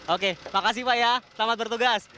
oke makasih pak ya selamat bertugas